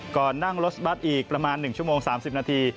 ก่อนนั่งรถบัตรอีกประมาณ๑ชั่วโมง๓๐นาที